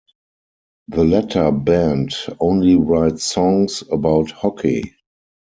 The latter band only writes songs about hockey.